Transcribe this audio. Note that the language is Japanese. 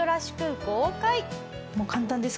もう簡単です。